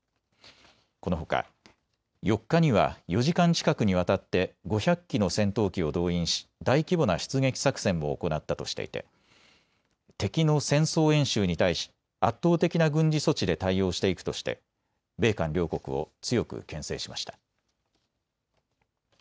このほか、４日には４時間近くにわたって５００機の戦闘機を動員し大規模な出撃作戦を行ったとしていて敵の戦争演習に対し圧倒的な軍事措置で対応していくとして米韓両国を強くけん制しました。